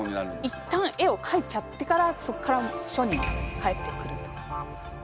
一旦絵をかいちゃってからそっから書に帰ってくるとか。